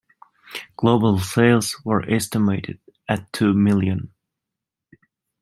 Global sales were estimated at two million.